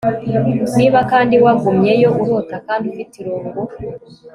Niba kandi wagumyeyo urota kandi ufite irungu